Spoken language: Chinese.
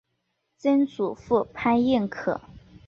曾祖父潘彦可。